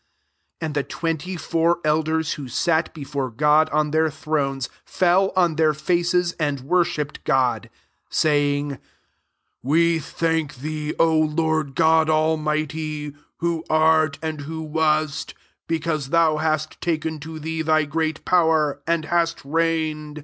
'* 16 And the twen ty four elders, cvho sat before God on their thrones, fell on their faces, and w€>rshipped God, 17 saying, "We thank thee, O Lord God Almighty, who art and who wast, because thou hast taken to thee thy great power and hast reigned.